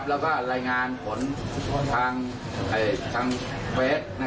แล้วก็รายงานผลทางเฟส